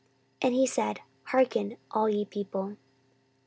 And he said, Hearken, all ye people.